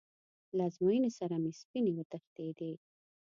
له ازموینې سره مې سپینې وتښتېدې.